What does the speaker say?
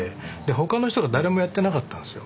他の人が誰もやってなかったんですよ。